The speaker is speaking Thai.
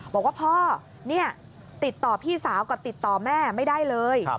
บอกว่าพ่อติดต่อพี่สาวกับติดต่อแม่ไม่ได้เลย